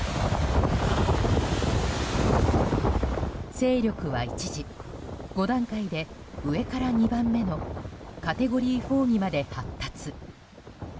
勢力は、一時５段階で上から２番目のカテゴリー４にまで発達。